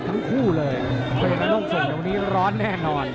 ทั้งคู่เลยเพราะว่าโลกส่งเท่านี้ร้อนแน่นอน